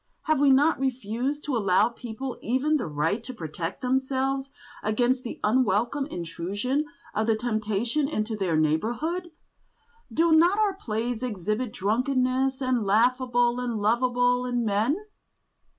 Have we not refused to allow people even the right to protect themselves against the unwelcome intrusion of the temptation into their neighbourhood? Do not our plays exhibit drunkenness as laughable and lovable in men?